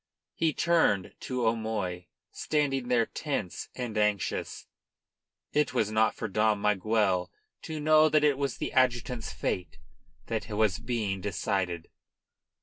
He turned to O'Moy, standing there tense and anxious. It was not for Dom Miguel to know that it was the adjutant's fate that was being decided.